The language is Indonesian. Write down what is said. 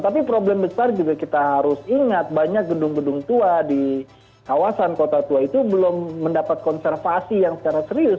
tapi problem besar juga kita harus ingat banyak gedung gedung tua di kawasan kota tua itu belum mendapat konservasi yang secara serius